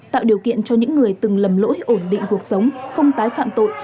tạo điều kiện cho những người từng lầm lỗi ổn định cuộc sống không tái phạm tội